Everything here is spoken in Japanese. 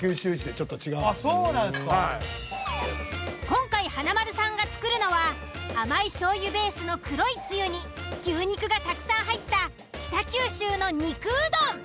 今回華丸さんが作るのは甘い醤油ベースの黒いつゆに牛肉がたくさん入った北九州の肉うどん。